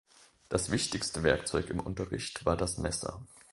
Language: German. Das wichtigste Werkzeug im Unterricht war das Messer.